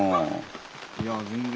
いや全然。